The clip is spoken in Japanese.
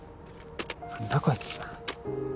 何だこいつ